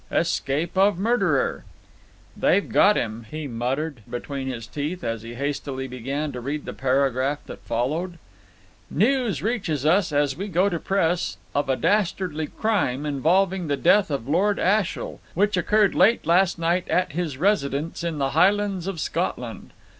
"ESCAPE OF MURDERER." "They've got him," he muttered between his teeth as he hastily began to read the paragraph that followed: "News reaches us, as we go to press, of a dastardly crime, involving the death of Lord Ashiel, which occurred late last night at his residence in the Highlands of Scotland.